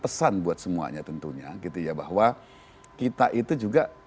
pesan buat semuanya tentunya bahwa kita itu juga